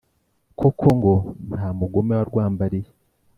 koko ngo nta mugome warwambariye